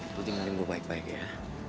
eh lo tinggalin gue baik baik ya